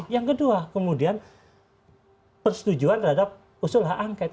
yang kedua kemudian persetujuan terhadap usul hak angket